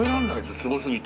すごすぎて。